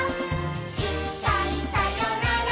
「いっかいさよなら